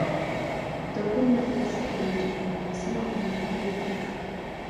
د ګوند مرکزي کمېټې په یوولسمه غونډه کې پرېکړه وشوه.